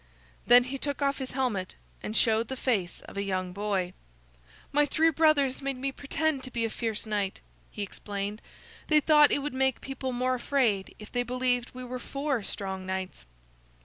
Then he took off his helmet and showed the face of a young boy. "My three brothers made me pretend to be a fierce knight," he explained. "They thought it would make people more afraid if they believed we were four strong knights."